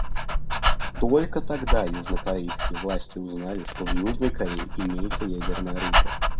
Только тогда южнокорейские власти узнали, что в Южной Корее имеется ядерное оружие.